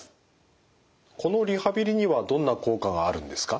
このリハビリにはどんな効果があるんですか？